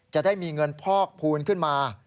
จะได้มีเงินพอกพูนขึ้นมา